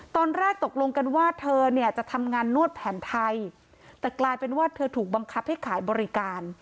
ตอนแรกตกลงกันว่าเธอเนี่ยจะทำงานนวดแผนไทยแต่กลายเป็นว่าเธอถูกบังคับให้ขายบริการ